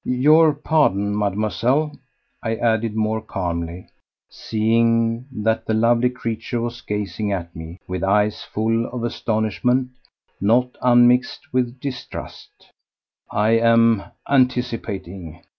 ... "Your pardon, Mademoiselle," I added more calmly, seeing that the lovely creature was gazing at me with eyes full of astonishment not unmixed with distrust, "I am anticipating.